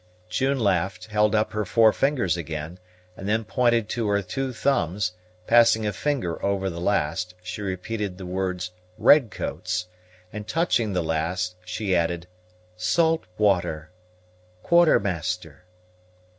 June laughed, held up her four fingers again, and then pointed to her two thumbs; passing a finger over the first, she repeated the words "red coats;" and touching the last, she added, "Saltwater," "Quartermaster."